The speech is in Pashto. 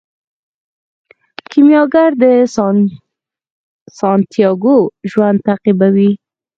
کیمیاګر د سانتیاګو ژوند تعقیبوي.